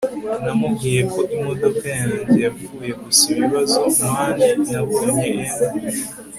namubwiye ko imodoka yanjye yapfuye gusa ibibazo, man, nabonye 'em